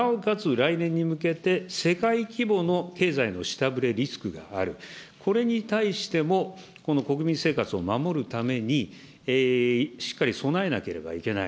来年に向けて、世界規模の経済の下振れリスクがある、これに対してもこの国民生活を守るために、しっかり備えなければいけない。